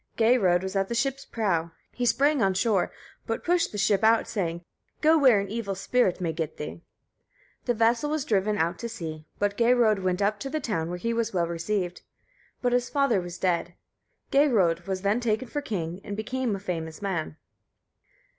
Geirröd was at the ship's prow: he sprang on shore, but pushed the ship out, saying, "Go where an evil spirit may get thee." The vessel was driven out to sea, but Geirröd went up to the town, where he was well received; but his father was dead. Geirröd was then taken for king, and became a famous man.